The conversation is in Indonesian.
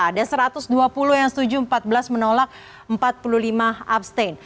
ada satu ratus dua puluh yang setuju empat belas menolak empat puluh lima abstain